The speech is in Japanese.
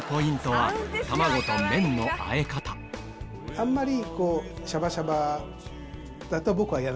あんまり。